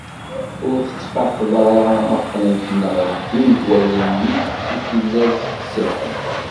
Ur tettfaqeḍ ara ma qqnent neɣ ldint wallen-ik seg tillas qessiḥen.